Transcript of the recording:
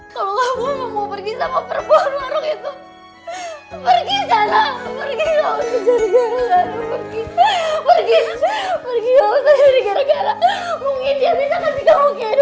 kalau kamu mau pergi sama perempuan warung itu pergi sana pergi